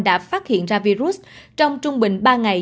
đã phát hiện ra virus trong trung bình ba ngày